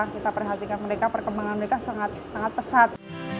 kita perhatikan mereka perkembangan mereka sangat pesat